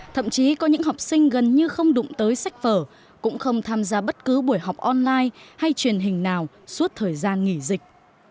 thậm chí có những học sinh gần như không đụng tới sách vở cũng không tham gia bất cứ buổi học online hay truyền hình nào suốt thời gian nghỉ dịch